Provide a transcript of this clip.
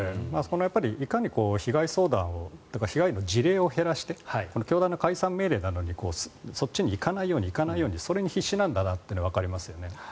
いかに被害相談というか被害の事例を減らして教団の解散命令などにそっちに行かないようにそれに必死なんだなというのがわかりますよね。